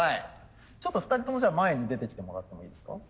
ちょっと２人ともじゃあ前に出てきてもらってもいいですか。